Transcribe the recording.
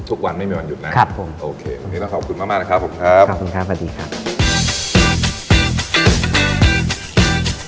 ทุกวันไม่มีวันหยุดนะ